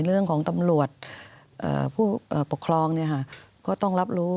เรื่องของตำรวจผู้ปกครองก็ต้องรับรู้